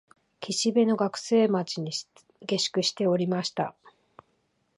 岸辺の学生町に下宿しておりました